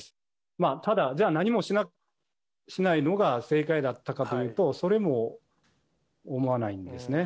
まあ、ただ、じゃあ何もしないのが正解だったかというと、それも思わないんですね。